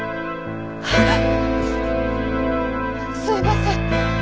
すみません。